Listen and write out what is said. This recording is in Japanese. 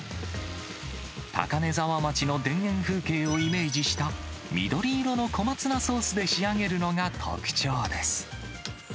高根沢町の田園風景をイメージした、緑色のこまつなソースで仕上げるのが特徴です。